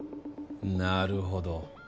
なるほど。